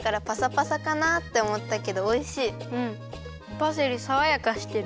パセリさわやかしてる。